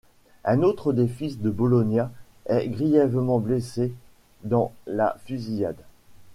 Un autre des fils de Bologna est grièvement blessé dans la fusillade.